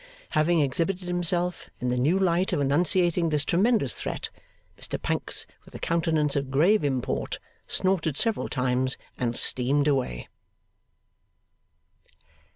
Having exhibited himself in the new light of enunciating this tremendous threat, Mr Pancks, with a countenance of grave import, snorted several times and steamed away.